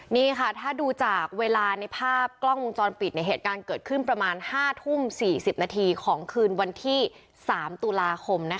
นี่ค่ะถ้าดูจากเวลาในภาพกล้องวงจรปิดเหตุการณ์เกิดขึ้นประมาณ๕ทุ่ม๔๐นาทีของคืนวันที่๓ตุลาคม